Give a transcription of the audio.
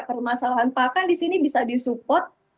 permasalahan pakan di sini bisa disupport